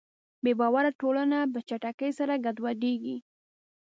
بېباوره ټولنه په چټکۍ سره ګډوډېږي.